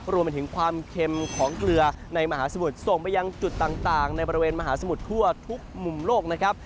รวมไปถึงความเค็มของเกลือในมหาสมุทรส่งไปยังจุดต่างในบริเวณมหาสมุทรทั่วทุกมุมโลกนะครับ